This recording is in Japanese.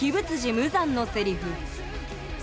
無惨のセリフ